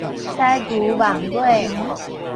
犀牛望月